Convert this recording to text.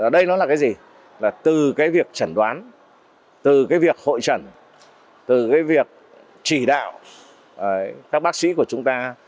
đây là từ việc trẩn đoán từ việc hội trẩn từ việc chỉ đạo các bác sĩ của chúng ta